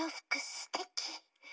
すてき。